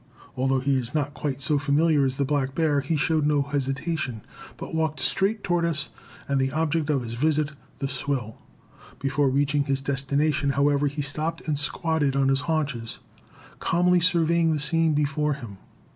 Although he was not quite so familiar as the black bear, he showed no hesitation, but walked straight toward us and the object of his visit the swill. Before reaching his destination, however, he stopped and squatted on his haunches, calmly surveying the scene before him.